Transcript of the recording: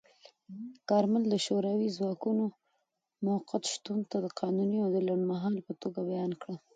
کارمل د شوروي ځواکونو موقت شتون د قانوني او لنډمهاله په توګه بیان کړ.